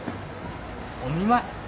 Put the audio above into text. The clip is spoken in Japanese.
お見舞い？